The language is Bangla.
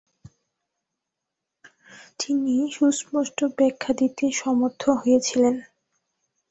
তিনি এর সুস্পষ্ট ব্যাখ্যা দিতে সমর্থ হয়েছিলেন।